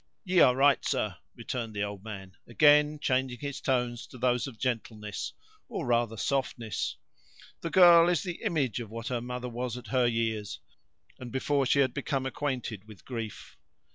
"Ye are right, sir," returned the old man, again changing his tones to those of gentleness, or rather softness; "the girl is the image of what her mother was at her years, and before she had become acquainted with grief.